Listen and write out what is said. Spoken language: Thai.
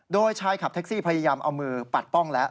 โดยชายขับแท็กซี่พยายามเอามือปัดป้องแล้ว